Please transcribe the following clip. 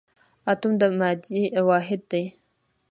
اتوم د مادې واحد دی